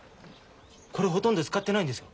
これほとんど使ってないんですよ？